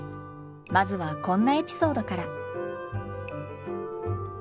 まずはこんなエピソードから。